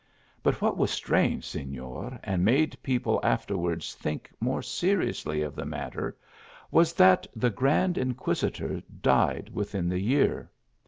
But what was strange, Senor, and made people afterwards think more seriously of the matter, was, that the grand inquisitor died within the year.